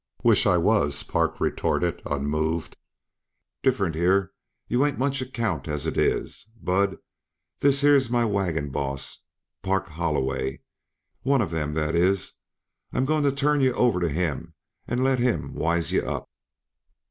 "Wish I was," Park retorted, unmoved. "Different here yuh ain't much account, as it is. Bud, this here's my wagon boss, Park Holloway; one of 'em, that is. I'm going to turn yuh over to him and let him wise yuh up.